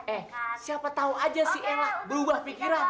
eh siapa tau aja si elah berubah pikiran